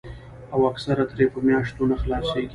او اکثر ترې پۀ مياشتو نۀ خلاصيږي